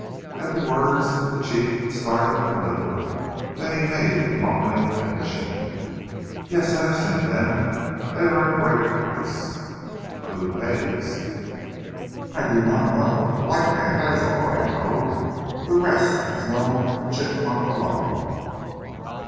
At the words the Chief started a little, then he made a mumbling admission: "Yes, I have seen them. They are a great price." "But who pays?" "I know not. A white man, that is all I know. The rest is known to Chigmok alone."